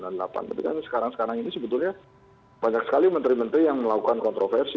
tapi kan sekarang sekarang ini sebetulnya banyak sekali menteri menteri yang melakukan kontroversi